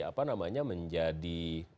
apa namanya menjadi